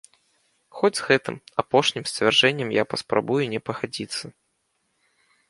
Хоць з гэтым, апошнім, сцвярджэннем я паспрабую не пагадзіцца.